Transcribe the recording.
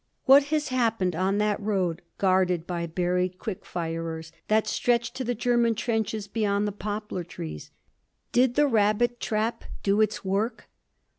What has happened on that road, guarded by buried quick firers, that stretched to the German trenches beyond the poplar trees? Did the "rabbit trap" do its work?